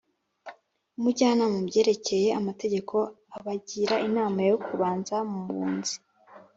umujyanama mu byerekeye amategeko abagira inama yo kubanza mu bunzi